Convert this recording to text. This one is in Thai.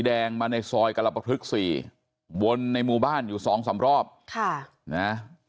แดงมาในซอยกรปภึกสี่วนในหมู่บ้านอยู่สองสามรอบค่ะนะ